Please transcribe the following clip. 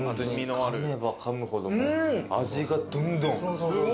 かめばかむほど味がどんどん。